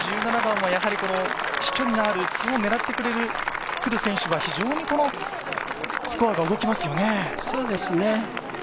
１７番は飛距離のある２オンを狙ってくる選手は非常にスコアが動きますね。